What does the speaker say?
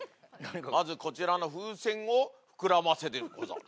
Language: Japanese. まずこちらの風船を膨らませるでござる。